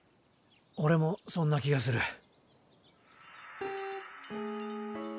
オレもそんな気がする。